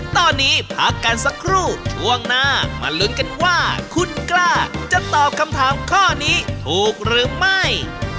ตอนนี้พักกันสักครู่ช่วงหน้ามาลุ้นกันว่าคุณกล้าจะตอบคำถามข้อนี้ถูกหรือไม่